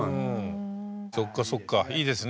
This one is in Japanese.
そっかそっかいいですね。